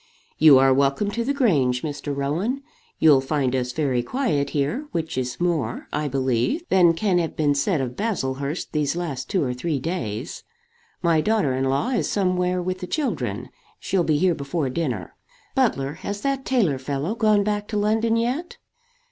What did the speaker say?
"You are welcome to the Grange, Mr. Rowan. You'll find us very quiet here; which is more, I believe, than can have been said of Baslehurst these last two or three days. My daughter in law is somewhere with the children. She'll be here before dinner. Butler, has that tailor fellow gone back to London yet?"